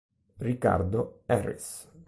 Ricardo Harris